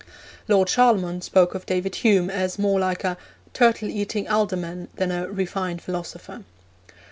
Lord Charlemont spoke of David Hume as more like a 'turtle eating alderman' than 'a refined philosopher.'